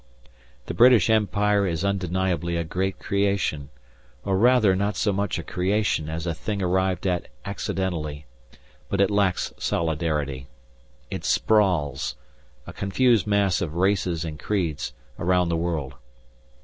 The British Empire is undeniably a great creation, or rather not so much a creation as a thing arrived at accidentally, but it lacks solidarity. It sprawls, a confused mass of races and creeds, around the world.